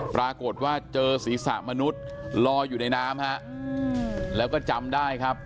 ปรากฏว่าเจอศีรษะมนุษย์ลอยอยู่ในน้ำฮะแล้วก็จำได้ครับ